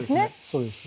そうです